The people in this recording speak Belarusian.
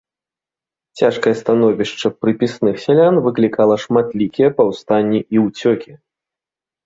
Цяжкае становішча прыпісных сялян выклікала шматлікія паўстанні і ўцёкі.